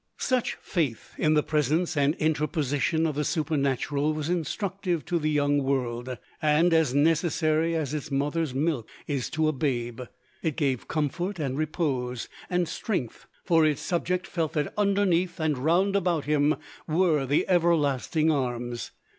Such faith in the presence and interposition of the Supernatural was instructive to the young world, and as necessary as its mother's milk is to a babe. It gave comfort and repose and strength, for its subject felt that "underneath and round about him were the everlasting arms."